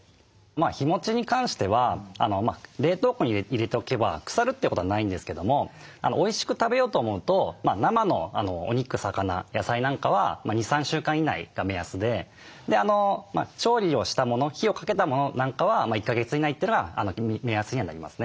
日もちに関しては冷凍庫に入れておけば腐るということはないんですけどもおいしく食べようと思うと生のお肉魚野菜なんかは２３週間以内が目安で調理をしたもの火をかけたものなんかは１か月以内というのが目安にはなりますね。